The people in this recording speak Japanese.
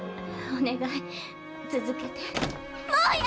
お願い続けて。